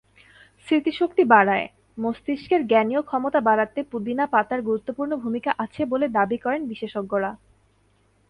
স্মৃতিশক্তি বাড়ায়: মস্তিষ্কের জ্ঞানীয় ক্ষমতা বাড়াতে পুদিনা পাতার গুরুত্বপূর্ণ ভূমিকা আছে বলে দাবি করেন বিশেষজ্ঞরা।